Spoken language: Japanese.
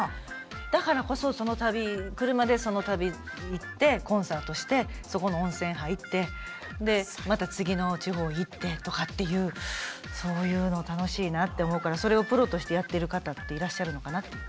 だからこそその旅車でその旅行ってコンサートしてそこの温泉入ってでまた次の地方行ってとかっていうそういうの楽しいなって思うからそれをプロとしてやってる方っていらっしゃるのかなっていう。